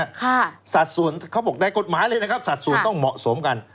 ค่ะสัดส่วนเขาบอกได้กฎหมายเลยนะครับสัดส่วนต้องเหมาะสมกัน